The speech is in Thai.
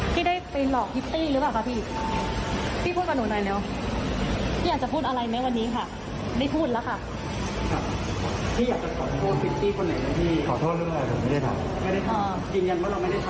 เรายืนยันว่าเราไม่ได้ทำอะไรใช่ไหมครับ